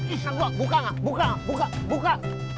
ih kagak buka gak buka buka buka